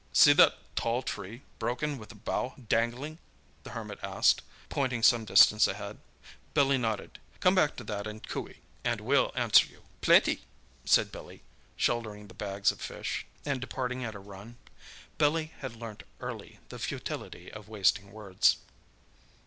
"See that tall tree, broken with the bough dangling?" the Hermit asked, pointing some distance ahead. Billy nodded. "Come back to that and cooee, and we'll answer you." "Plenty!" said Billy, shouldering the bags of fish, and departing at a run. Billy had learnt early the futility of wasting words.